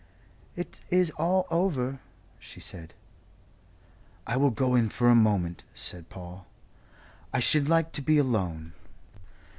"It is all over," she said. "I will go in for a moment," said Paul. "I should like to be alone."